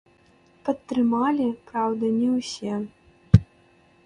Падтрымалі, праўда, не ўсе.